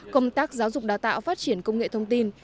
công tác giáo dục đào tạo phát triển công nghệ thông tin